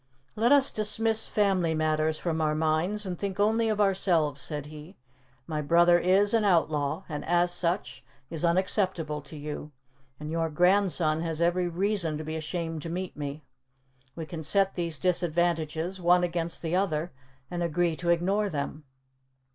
"Let us dismiss family matters from our minds and think only of ourselves," said he; "my brother is an outlaw, and as such is unacceptable to you, and your grandson has every reason to be ashamed to meet me. We can set these disadvantages, one against the other, and agree to ignore them."